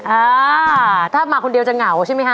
อ่าถ้ามาคนเดียวจะเหงาใช่ไหมฮะ